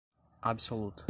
absoluta